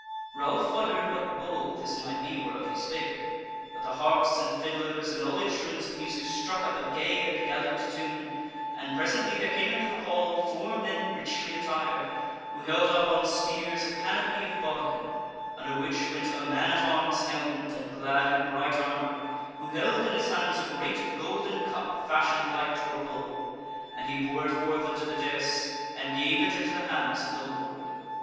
Ralph wondered what bull this might be whereof he spake; but the harps and fiddlers, and all instruments of music struck up a gay and gallant tune, and presently there came into the hall four men richly attired, who held up on spears a canopy of bawdekin, under which went a man at arms helmed, and clad in bright armour, who held in his hands a great golden cup fashioned like to a bull, and he bore it forth unto the dais, and gave it into the hands of the Lord.